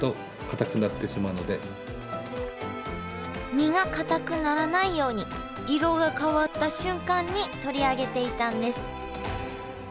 身がかたくならないように色が変わった瞬間に取り上げていたんです。